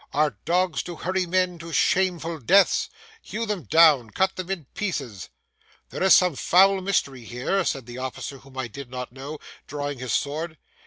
'Are dogs to hurry men to shameful deaths? Hew them down, cut them in pieces.' 'There is some foul mystery here!' said the officer whom I did not know, drawing his sword.